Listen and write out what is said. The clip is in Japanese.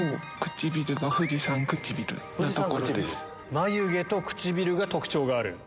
眉毛と唇が特徴がある。